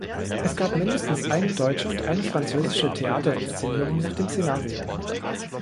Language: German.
Es gab mindestens eine deutsche und eine französische Theaterinszenierung nach dem Szenario.